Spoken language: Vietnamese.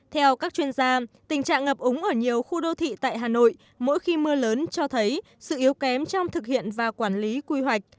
theo các chuyên gia tình trạng ngập úng ở nhiều khu đô thị tại hà nội mỗi khi mưa lớn cho thấy sự yếu kém trong thực hiện và quản lý quy hoạch